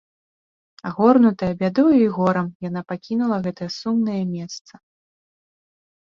Агорнутая бядою і горам, яна пакінула гэтае сумнае месца.